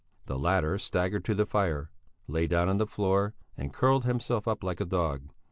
The latter staggered to the fire, lay down on the floor and curled himself up like a dog.